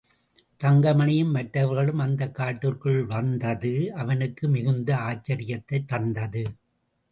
தங்கமணியும் மற்றவர்களும் அந்தக் காட்டிற்குள் வந்தது அவனுக்கு மிகுந்த ஆச்சரியத்தைத் தந்தது.